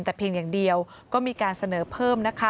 แต่เพียงอย่างเดียวก็มีการเสนอเพิ่มนะคะ